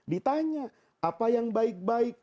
ditanya apa yang baik baik